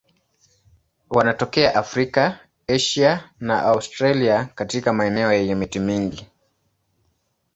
Wanatokea Afrika, Asia na Australia katika maeneo yenye miti mingi.